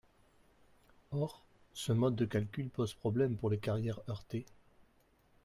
Or ce mode de calcul pose problème pour les carrières heurtées.